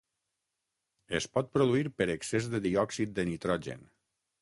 Es pot produir per excés de diòxid de nitrogen.